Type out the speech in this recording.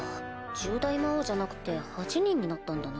十大魔王じゃなくて８人になったんだな。